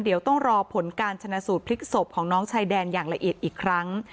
เดี๋ยวต้องรอผลการชนะสูตรพลิกศพของน้องชายแดนอย่างละเอียดอีกครั้ง